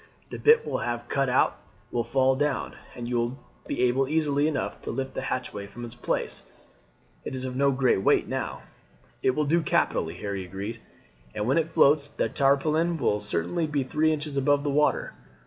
The bit we have cut out will fall down, and you will be able easily enough to lift the hatchway from its place. It is no great weight now. "It will do capitally," Harry agreed, "and when it floats the tarpaulin will certainly be three inches above the water.